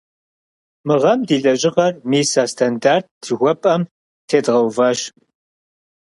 Мы гъэм ди лэжьыгъэр мис а стандарт жыхуэпӀэм тедгъэуващ.